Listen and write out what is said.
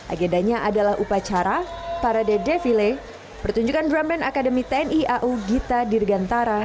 agendanya adalah upacara parade defile pertunjukan drum band akademi tni au gita dirgantara